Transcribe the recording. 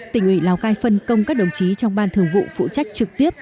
tỉnh ủy lào cai phân công các đồng chí trong ban thường vụ phụ trách trực tiếp